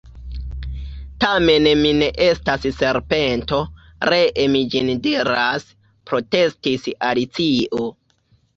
"Tamen mi ne estas serpento, ree mi ĝin diras," protestis Alicio.